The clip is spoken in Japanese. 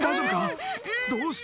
どうした？